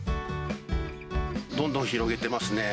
どんどん広げてますね。